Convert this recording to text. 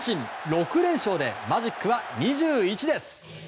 ６連勝で、マジックは２１です。